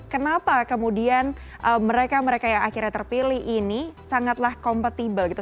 kenapa kemudian mereka mereka yang akhirnya terpilih ini sangatlah kompatibel gitu